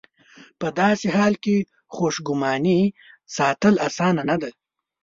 په داسې حالت کې خوشګماني ساتل اسانه نه ده.